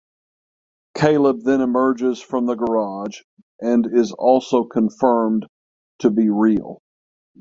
Caleb then emerges from the garage and is also confirmed to be real.